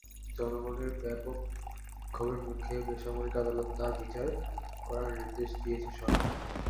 জনগণের ব্যাপক বিক্ষোভের মুখে বেসামরিক আদালতে তাঁর বিচার করার নির্দেশ দিয়েছে সরকার।